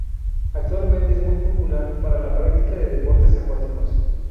Actualmente es muy popular para la práctica de deportes acuáticos.